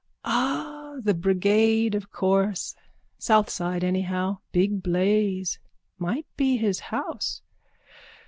Ah, the brigade, of course. South side anyhow. Big blaze. Might be his house.